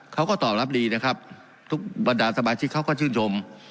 เขาก็ตอบรับดีนะครับทุกบรรดาสมาชิกเขาก็ชื่นชม